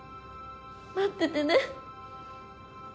待っててね。